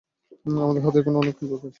আমাদের হাতে এখনও অনেক কাজ বাকি আছে!